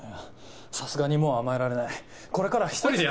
さすがにもう甘えられないこれからは１人でやるよ。